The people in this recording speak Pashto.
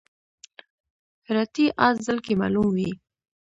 هراتی اس ځل کې معلوم وي.